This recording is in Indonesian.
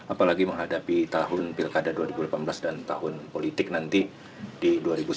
apalagi menghadapi tahun pilkada dua ribu delapan belas dan tahun politik nanti di dua ribu sembilan belas